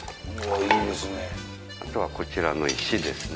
あとはこちらの石ですね。